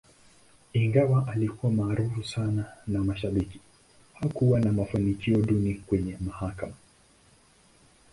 Ingawa alikuwa maarufu sana na mashabiki, hakuwa na mafanikio duni kwenye mahakama.